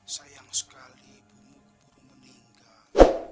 sayang sekali ibumu baru meninggal